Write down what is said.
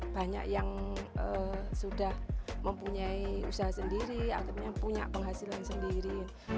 banyak yang sudah mempunyai usaha sendiri akhirnya punya penghasilan sendiri